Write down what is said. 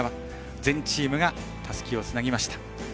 全チームがたすきをつなぎました。